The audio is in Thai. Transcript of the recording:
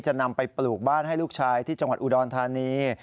นำไปปลูกบ้านให้ลูกชายที่จังหวัดอุดรธานี